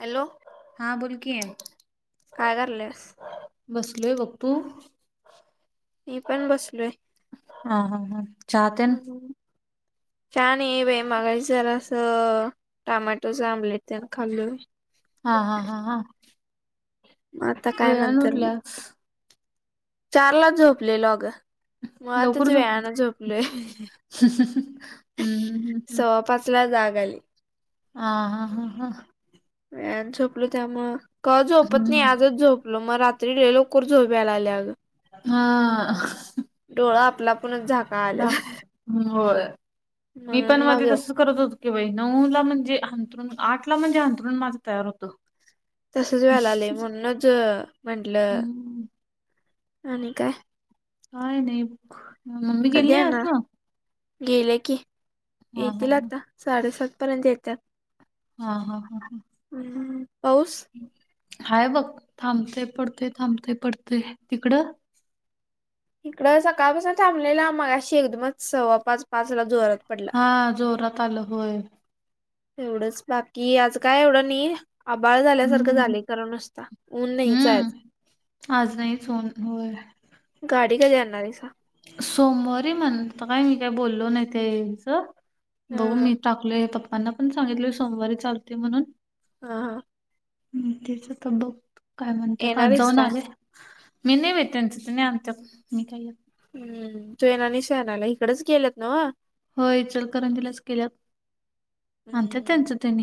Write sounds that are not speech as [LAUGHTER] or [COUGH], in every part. Hello! हा, बोल की. काय करलेस? बसलोय, बघ तू? मी पण बसलोय. हा हा हा चहा तेन चहा नाइये बाई मगाशी जरासं टामाटूचं आम्लेट तेन खाल्लोयं. हा हा हा हा. आता काय वेळान नंतर म. उठल्यास चारला झोपलेलो अगं लवकर मुळातचं झोपलीस? वेळाने झोपलोय? हम्म ह ह ह ह अहम् सव्वा पाच ला जाग आली. आ हा हा हा. वेळानं झोपलो त्यामुळं कवा झोपत नाही आजच झोपलो मग रात तरी लई लवकर झोप यायला लागली आगं. हा अ डोळ आपला आपणच झाका लागत्यात. ह होय, मी पण मग मध्ये तस करत होत की बा नऊ ला म्हणजे आंथरून आठ ला म्हणजे आंथरून माझं तयार होत. तसच व्याला लागलंय म्हणूनच म्हंटल हम्म आणि काय? काय नाही? मम्मी गेली कधी नाही आज? येणार गेले, की हा हा येतील आता. साडेसात पर्यंत येत्यात. हा हा हा हा. ह म म पाउस. हाय, बघ थांबतोय पडतोय थांबतोय पडतोय तिकडं? इकड सकाळ पसून थांबलेला मगाशी एकदमच सव्वा पाच -पाच ला जोरात पडला. हा जोरात आलं होय. एवढंच बाकी आजं काय एवढं नाही.? आभाळ झाल्यासारखं हम्म झालेय, खरं नुसता ऊन नाहीच आहे. हम्म. आज नाहीच ऊनन होय. गाडी कधी आणणार आहेसा? सोमवारी म्हणतात होतो, काय मी काही बोललो नाही त्या हेचं. बघू हा मी टाकलोय पप्पांना पण सांगितलय सोमवारी चालते म्हणून, हा हा. त्याच तर बघ काय म्हणते. येणार आज आहेस जाऊन का? आले? मी नाही भेत त्यांच त नाही आणत मी काही. हम्म जैना आणि शहनाला इकडच गेलेत नव. हो इ चल करं दिलाच केल्यात आणत हम्म त्यांचं त्यानी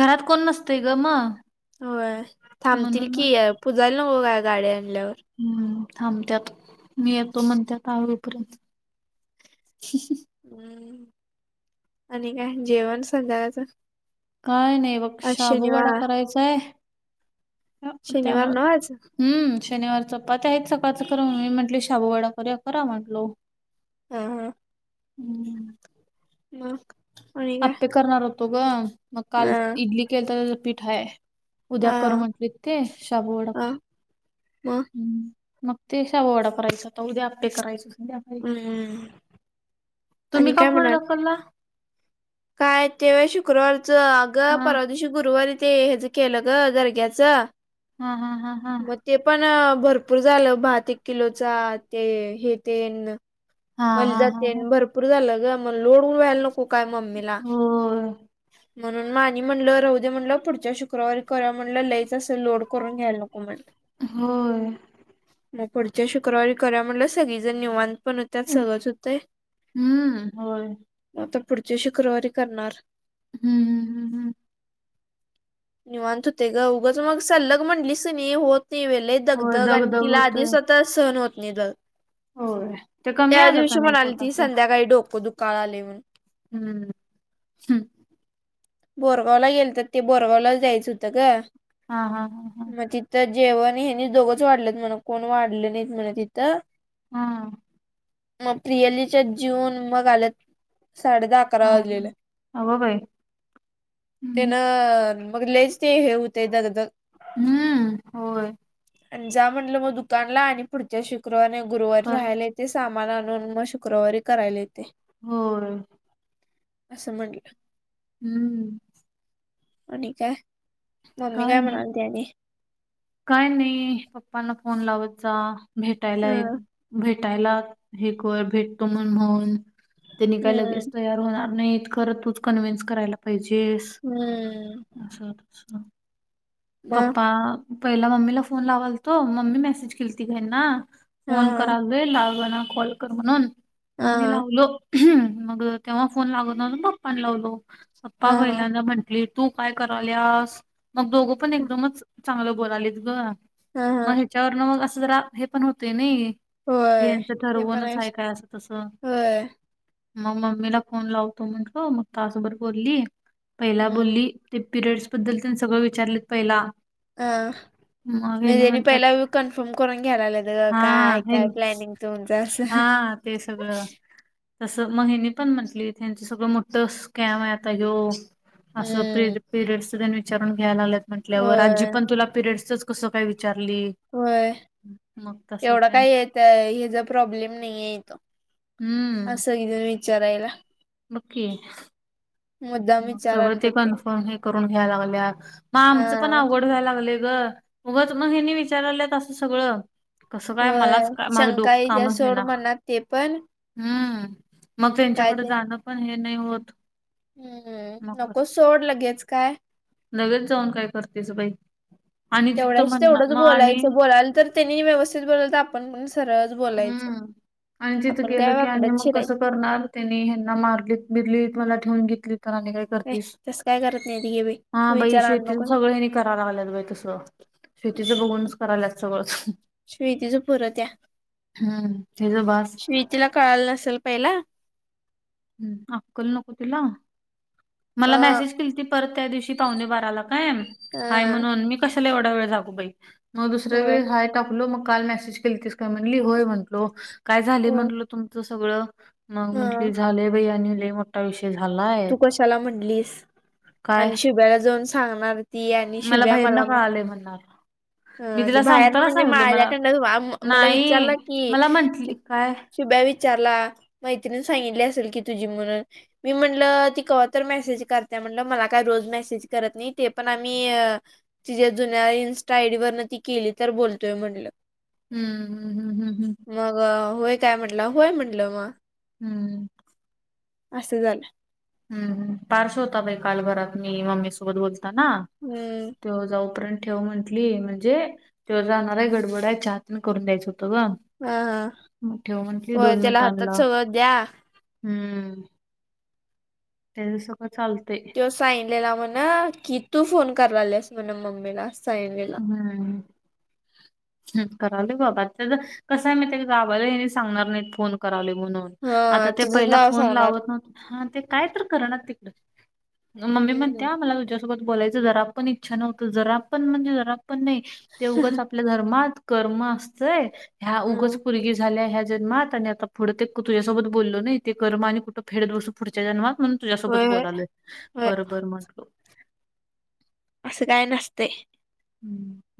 घरात कोण नसतय ग मग हो थांबतील म्हणून की आहे पुजाला नको काय गाडी्या आणल्यावर. हम्म थांबतत मी येतो म्हणत आवरूपर्यंत. [UNINTELLIGIBLE] हम् आणि काय जेवण संध्याकाळच. काय नाही बघ शाबूवाडा करायचाय शनिवार त्यामूळ. नव्ह आज? हम्म शनिवार चपाती ते आहेत सकाळचं ख मी म्हटले शाबूवाडा कर करा म्हटलो. हा हा. हम्म. मग आणि काय आपे करणार होतो ग मग काल हा इडली केल तर त्याचा पिठ आहे. उद्या हा कर म्हंटलेत ते शाबू वडा कर. [UNINTELLIGIBLE] ह मग ते शाबु वाडा करायचा आता उद्या आपे करायच अस द्या. हम्म तुम्ही आणि का काय पुढे म्हणाल धक्काला? काय तेव शुक्रवारचं अग हा परत. आणि शुकवारी ते याच केला ग दग्याच. हा हा हा. मग ते पण भरपूर झालं भात एक किलोचा ते हे ते. हा हा मलिदा हा ते हा. भरपूर झालं ग मग लोडऊन व्हायला नको काय मम्मीला. होय म्हणून मानी म्हणलं राह दे म्हणलं पुढच्या शुक्रवारी करा म्हणलं लईच. तस लोड करून घ्यायला नको म्हण. होय. मग पुढच्या शुक्रवारी करा म्हटलं सगळी जण निवांत पण होते. त्यात सगळच होते हम्म होय. म आता पुढची शुक्रवारी करणार. हम्म हम्म हम्म हम्म. निव अंत होते ते ग उऊगच मग सलग मणलीस न होोत नाहीवेल. होय दगधग आणि दगदग तिला होतोय. आधी स्वतः सहण होत नाही दग. होय. ते कमी त्या आलं का दिवशी नाही म्हणाली ती पोटाचं? संध्याकाळी डोक दुखायला आले म्हणून. हम्म. हम्म. बोरगावला गेल तर ते बोरगावला जायचं होतं का? हा हा हा हा. तर जेवण हेनी दोघंच वाढलेत म्हण कोण वाढले नाहीत म्हण तिथं. हा. मग प्रियलीच्या जीवन मग आलेत साडे दहा अकरा वाजलेलं. अग बाई. ते हम्म ना मग ललेच ते हे होते दग हम्म होय. आणि जा म्हटलं मग दुकानला आणि पुढच्या शुक्रवार गुरुवारी कर राहायला. ते सामान आणून मग शुक्रवारी करायला येते. हो. असं म्हटलं. हम्म. आणि काय ममी काय म्हनते्याने काय नाही पप्पांना फोन लावतचा भेटायलाय. हं, भेटायला हे भेटतो म्हण म्हणून त्यांनी काय हं, लगेच यात. होणार नाहीत, खरं तूच कन्व्हिन्स करायला पाहिजेस, हं. असं तस मग पप्पा, पहिला मम्मीला फोन लावालतो, मम्मी मेसेज केलती हेन्ना हा फोन हा करालोय, लागना कॉल कर म्हणून, मग मी हा लावलो. ह, मग तेव्हा फोन लागना [UNINTELLIGIBLE] पप्पाना लावलो, पप्पा हा हा पहिल्यांदा म्हंटलीत तू काय कराल्यास, मग दोघं पण हा एकदमच चांगलं बोलालेत ग. हा मग हा. ह्याच्यावरन, मग असं जरा, हे पण होतय नाही. की होय यांचं ते पण आहे ठरवूणच हाय काय! असं तस होय मग मम्मीला फोन लावतो म्हटलो, मग तासभर बोलली, पहिला बोलली हं. ते पिरियड्स बद्दल तेन, सगळं विचारले पहिला. हं मग ह्यानी म्हणजे हेनी, म्हणतात पहिला कन्फर्म करून घ्यायलागेलेत ग, हा काय हाय हे काय, प्लॅनिंग तुमचं असं. हा ते सगळं तसं मग हेन्नी पण म्हंटलीथ, हेंच सगळं मोठ स्कॅम आहे आता यो असं हम्म परियडच तेन, विचारून घ्यायला लागलेत, म्हटल्यावर होय पण तुला पिरिडसचच, कसं काय विचारलीत? होय, एवढा काय येत, हचा प्रॉब्लेम नाही आहे तो असं सगळीजण विचारायला. बग की मुद्दाम सगळं विचारायला ते तर कन्फर्म हे करून घ्यायलागल्यात, मग हा आमचं पण अवघड व्हायला लागलय ग. ऊगच मग हेनी विचारल्यात, असं सगळं कसं काय, होय मलाच काय, माझं शंका डोकं येत्या कामच सोड देईना. मनात ते पण हम्म! मग काय त्यांच्याकडे ते जाणं पण हे नाही होत हम्म! मग नकोच सोड, लगेच काय. लगेच जाऊन काय करतेस बाई. आणि तिथं तेवढ्याच म्हणणार तेवढंच मग आणि बोलायचं, बोलाल तर तेनी व्यवस्थित बोल तर आपण पण सरळच बोलायच. [UNINTELLIGIBLE] हम्म आणि तिथं गेलं की, आणि मग कसं करणार त्यांनी, हेना मारलीत बिरलीत, मला ठेवून घेतलीत, तर आम्ही काय ए करतीस, तसं काय करत नाही ती घे बाई तू हा बाई विचार आण नको शेतीच सगळ हेनी करायला लागलेत बाई तस शेतीचं हम्म बघूनच कराल्यात, सगळ श्वेतीचं पुरं त्या हम्म! तेज बास. तिला कळाल नसल पहिला? हम्म! अक्कल नको तिला? अ मला मेसेज केलीत परत त्या दिवशी, पाहूणे बाराला काय, हाय हा म्हणून, मी कशाला एवढा वेळ जागू बाई, म दुसऱ्या होय वेळेस हाय टाकलो, मग काल मेसेज केलतीस काय म्हणली, होय म्हटलो, काय झालय होय म्हटलो, तुमच सगळं, मग हा म्हंटली, झालंय बाई आणि लय मोठं तू कशाला म्हटलीस काय? आणि शुभ्याला जाऊन सांगणार ती, आणि शुभ्या बाहेरनं मला म कळालंय म्हणणार. मी हम्म! ते तिला बाहेरन, सांगताना म्हणजे सांगितलं मला माझ्याकंडनच, मला विचारला नाही की मला म्हंटली काय शुभ्या विचारला, मैत्रीण सांगितली असेल की तुझी म्हणून, मी म्हण म्हटल, ती कवा तर मेसेज करत्या म्हणलं, मला काय रोज मेसेज करत नाही, ते पण आम्ही तिच्या जुन्या इन्स्टा आईड वरन ती केली तर बोलतोय म्हटलं. हम्! मग होय काय म्हटला, होय म्हटलं मग. हम्म! असं झालं हम्म! पार्स होता बाई काल घरात, मी मम्मी सोबत बोलताना. हम्म! तो जाऊ पर्यंत ठेव म्हंटली, म्हणजे त्यो जाणार आहे, गडबड आहे, चहा तेण करून द्यायचं होतं ग. हा हा मग ठेव म्हंटली होय दोन त्याला मिनिटां हातात लाव सगळं द्या हम्म. त्याना सगळं चालते. साईन म्हणा की तू फोन करायलेस म्हण मम्मीला साईने. हमम. ह करावले बाबा त्या कस आहे माहिते का गावाला हे सांगणार नाहीत फोन करावले म्हणूनन हा आता ते तुझंच पहिला नाव फोन सांगणार लावत नव्ह हा ते काय तर करणार तिकड म मम्मी हम्म म्हणतेया मला तुझ्याचकड तुझ्या सोबत बोलायच जरा पण इच्छा नव्हत जरा पण म्हणजे जरा पण नाही ते उगाच आपल आपल्या धर्मात कर्म असतय ह्या उगच हम्म पोरगी झाल्या ह्या जन्मात आणि आता पूढं ते तुझ्यासोबत बोललो ना ते कर्मा आणि कुठं फेडत बसु. पुढच्या जन्मात म्हणून तुझ्यासोबत होय होय बोलालोय होय बर बर म्हटलो. असं काय नसतय.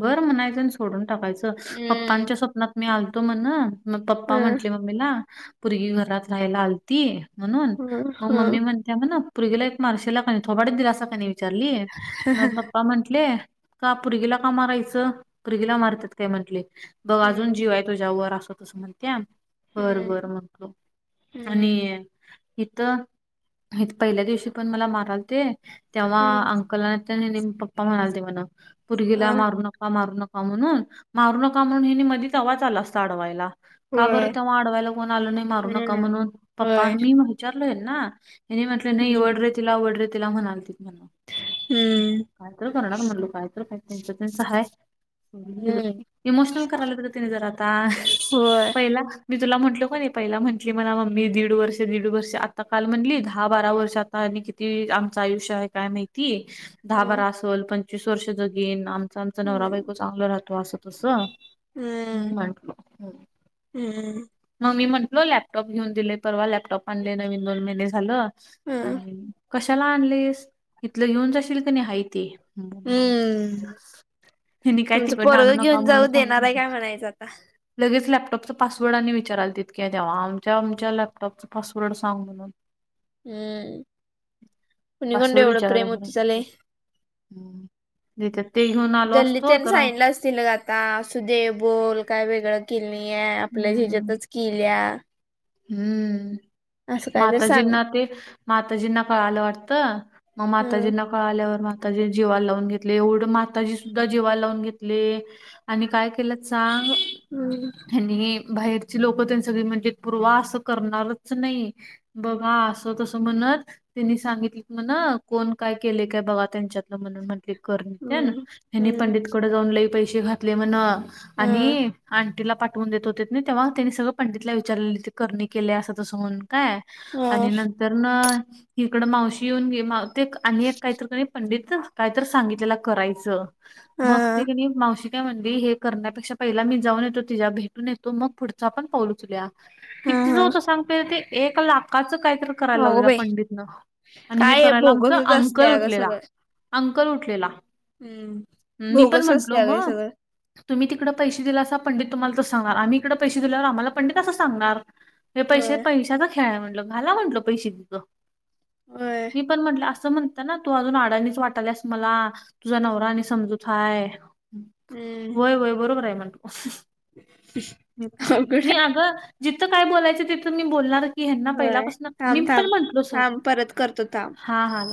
बरं म्हणायच सोडून टाकायचं हम्म पप्पांच्या स्वप्नात मी आलतो म्हण मग पप्पा हम्म म्हंटले मम्मीला पोरगी घरात राहायला आलती. म्हणून हम्म मग मम्मी हम्म म्हणते म्हन पोरगीला एक मारशेला कानी थोबाडीत दिलासा का नाही विचारली. म पप्पा म्हंटले का पोरगीला का मारायचं पोरगीला मारतात काय म्हटले बघ अजून हम्म जीवाय तुझ्या वर असतस म्हणत्यात बर हम्म बरं म्हणटलो आणि इथ इथ पहिल्या दिवशी पण मला माराल ते तेव्हा हम्म अंकल आणि त्यांनी नेम पप्पा म्हणाले ते म्हणा पोरगीला हम्म मारू नका मारू नका. ह म्हणून मारू नका म्हणून हेिनी मधीच आवाज आला असता अडवायला. का होय बरं तेव्हा अडवायला कोन आल नाही मारू नका हम्म म्हणून पप्पा होय मी विचारलो यांना त्यांनी म्हटलं नाही हम्म वडरे तिला वडरे तिला म्हणाले तीतन. हम्म कायतरी करणार म्हणलो कायत काय त्यांच त्यांच हाय. हम्म इमोशनल कराला ब तन जर आता होय पहिल मी तुला म्हटलो का नाई पहिला म्हटली मला मम्मी दीड वर्ष दीड वर्ष आता काल म्हटली दहा बारा वर्षांत. आनी किती आमचं आयुष्य आहे काय माहिती दहा हम्म बारा असल पंचवीस वर्ष जगिन आ आमचा नवरा बायको हम्म चांगल राहतो असं तस हम् म्हटलं. हमम. मग मी म्हटलं लॅपटॉप घेऊन दिले परवा लॅपटॉप आणले नवीन दोन महिन झालं. हम्म आणि कशाला आणलेस इथलं घेऊन जाशील की नाही हाय ते. हम्म ह्यांनी काय तुमचं तिकडनं आणू पोरंग नका घेऊन जाऊ म्हणून देणार आहे सांगितलं काय म्हणायचं आता. लगेच लॅपटॉपच पासवर्ड आणि विचाराल तितक्या द्यावा आमच्या आमच्या लॅपटॉपच पासवर्ड सांग म्हणून हम्म कोणी म्हणे एवढं प्रेम उतु चालत. ह नाही तर ते घेऊन आलो असतो तर तिला आता असुदै बोल काय वेगळ केलिया आपल्या ह्याच्यातच केलिया. हमम. काय तर सांगा माताजींना ते माताजींना कळालं वाटतं मग हम्म माताजींना इकड आल्यावर माताजी जीवा लावून घेतले एवढे माताजी सुद्धा जीवा लावून घेतले. आणि काय केलं चांग हमम. आणि ही बाहेरची लोक त्यां सगळी म्हणत्यात पूर्वा असं करणारच नाही. बघा असं तसं म्हणत. त्यांनी सांगितले क म्हण कोण काय केले काय बघा त्यांच्यातलं म्हणून म्हण त्या कर हम्म त्यांनी हम्म पंडित कडे जाऊन लई पैसे घातले म्हण हम्म आणि तिला पाठवून देत होते तेव्हा त्यांनी सगळं पंडितला विचारले ते करणी केले असं तस म्हणून का हम्म आणि नंतर न इकडं मावशी येऊन घे माव आणि एक काहीतरी पंडित काहीतरी सांगितलेला करायचं हा मग ते की नाही मावशी म्हण हे करण्यापेक्षा पहिला मी जाऊन येतो तिच्या भेटून येतो मग पुढचा पण पाऊलू चुल्या हा किती ज हा होत सांगतो ते एक लाखाचं काहीत. करायला अगो लावलेला बाई पंडितन [INAUDIBLE] आणि हे काय आहे करायला आमच भोगसच असते अंकल अगं उठलेला. सगळं अंकल उठलेला. हम्म [INAUDIBLE] मी पण म्हंटलो भोगसचतेग हे मग सगळं. तुम्ही तिकडे पैसे दिला अस पंडित तुम्हाला त सांगणार आम्ही इकडडे पैसे दिल्यावर आम्हाला पंडित असं सांगणार. हे पैसे होय पैशाचा खेळाय म्हंटलं घाला म्हटलं पैसे [INAUDIBLE] तकं होय [INAUDIBLE] मी पण म्हटलं असं म्हण. ना तू अजून अडाणीच वाटालीस मला तुझा नवरा आणि समजूतय [INAUDIBLE] हम्म होय होय बरोबर आहे [INAUDIBLE] म्हणतो अवघड मी. आहे जिथं काय [INAUDIBLE] बोलायचं तिथं मी बोलणार. की हना होय पहिल्यापासून मी थांब पण थांब म्हटलो [INAUDIBLE] सरू थांब परत करतो थांब हा हा.